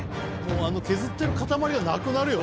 あの削ってる塊がなくなるよ？